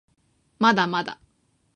まだまだ